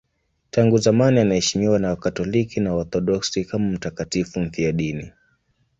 Tangu zamani anaheshimiwa na Wakatoliki na Waorthodoksi kama mtakatifu mfiadini.